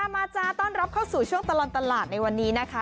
มาจ้าต้อนรับเข้าสู่ช่วงตลอดตลาดในวันนี้นะคะ